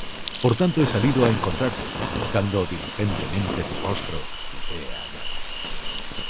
Por tanto he salido á encontrarte, Buscando diligentemente tu rostro, y te he hallado.